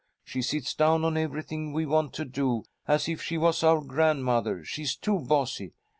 She sits down on everything we want to do, as if she was our grandmother. She's too bossy."